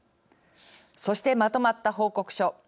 そして、まとまった報告書